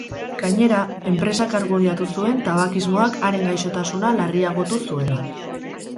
Gainera, enpresak argudiatu zuen tabakismoak haren gaixotasuna larriagotu zuela.